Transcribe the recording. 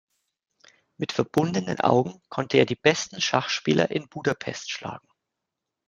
Mit verbundenen Augen konnte er die besten Schachspieler in Budapest schlagen.